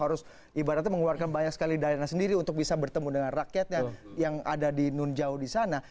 harus ibaratnya mengeluarkan banyak sekali dana sendiri untuk bisa bertemu dengan rakyatnya yang ada di nunjau di sana